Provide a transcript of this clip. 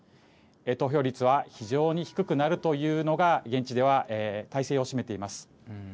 投票率は非常に低くなるというのが現地では大勢を占めています。